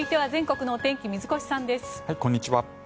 こんにちは。